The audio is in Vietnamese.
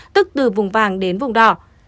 tức từ vùng vàng đến vùng đỏ